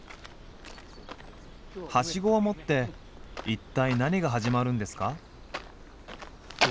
はしごを持って一体何が始まるんですか？